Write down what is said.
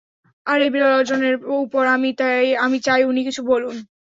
আর এই বিরল অর্জনের উপর, আমি চাই উনি কিছু বলুন।